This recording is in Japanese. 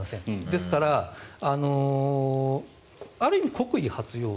ですから、ある意味国威発揚。